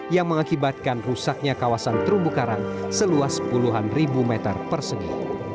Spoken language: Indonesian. yang mengakibatkan rusaknya kawasan terumbu karang seluas puluhan ribu meter persegi